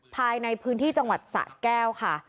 ภายในพื้นที่จังหวัดสะแก้วค่ะ